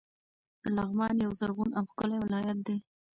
لغمان یو زرغون او ښکلی ولایت ده.